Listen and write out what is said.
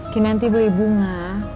kita nanti beli bunga